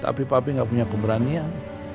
tapi papi gak punya keberanian